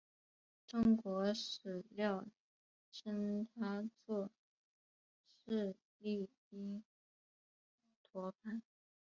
中国史料称他作释利因陀盘。